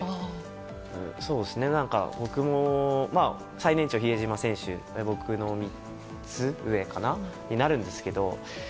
最年長、比江島選手僕の３つ上になるんですけれど。